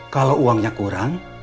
kalau uangnya kurang